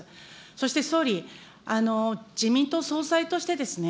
そして総理、自民党総裁としてですね、